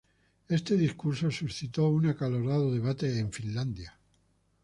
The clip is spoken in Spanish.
Este discurso suscitó un acalorado debate en Finlandia.